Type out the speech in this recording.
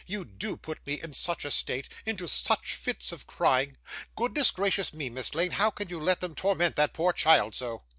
You do put me in such a state into such fits of crying! Goodness gracious me, Miss Lane, how can you let them torment that poor child so!